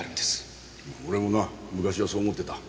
俺もな昔はそう思ってた。